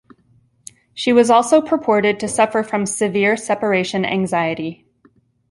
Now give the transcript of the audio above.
She was also purported to suffer from severe separation anxiety.